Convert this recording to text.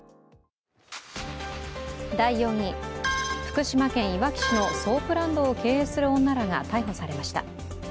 第４位、福島県いわき市のソープランドを経営する女らが逮捕されました。